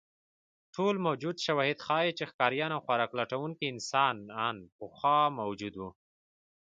ټول موجود شواهد ښیي، چې ښکاریان او خوراک لټونکي انسانان پخوا موجود وو.